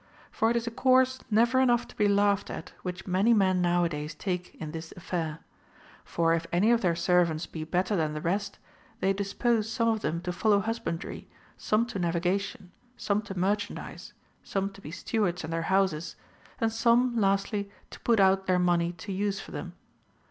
For it is a course never enough to be laughed at which many men nowadays take in this affair ; for if any of their servants be better than the rest, they dispose some of them to follow husbandry, some to navigation, some to merchandise, some to be stewards in their houses, and some, lastly, to put out their money to use for them.